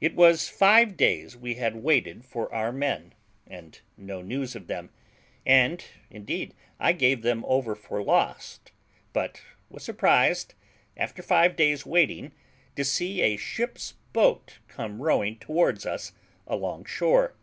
It was five days we had waited for our men, and no news of them; and indeed I gave them over for lost, but was surprised, after five days' waiting, to see a ship's boat come rowing towards us along shore.